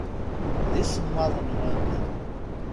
D isemmaḍen waman.